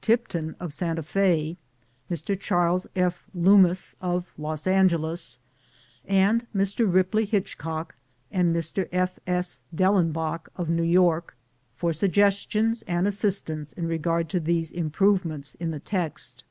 Tipton of Santa F^, Mr. Charles F. Lummis of Los Angeles, and Mr. Bipley Hitchcock and Mr. F. S. Dellenbaugh of New York, for sugges tions and assistance in regard to these im provements in the text.